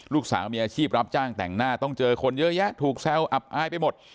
ลูกสาวมีอาชีพรับจ้างแต่งหน้าต้องเจอคนเยอะแยะถูกแซวอับอายไปหมด